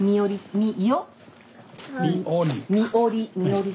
「みおり」。